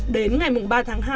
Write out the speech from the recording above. đến ngày ba tháng hai